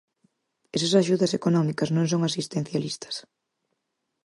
Esas axudas económicas non son asistencialistas.